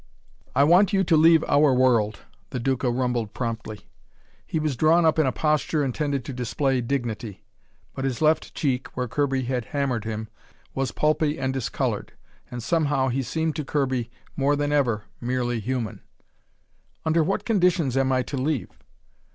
"I want you to leave our world," the Duca rumbled promptly. He was drawn up in a posture intended to display dignity. But his left cheek, where Kirby had hammered him, was pulpy and discolored, and somehow he seemed to Kirby more than ever merely human. "Under what conditions am I to leave?"